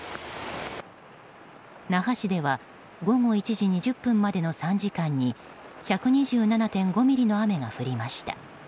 那覇市では午後１時２０分までの３時間に１２７．５ミリの雨が降りました。